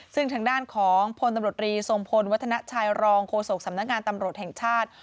ซึ่งทางด้านของพลตำรวจรีทรงพลวัฒนาชัยรองโฆษกสำนักงานตำรวจแห่งชาติ